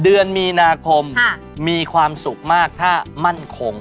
เดือนมีนาคมมีความสุขมากถ้ามั่นคง